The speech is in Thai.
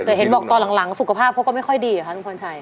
แต่เห็นบอกตอนหลังสุขภาพพวก็ไม่ค่อยดีอะคะท่านพรชัย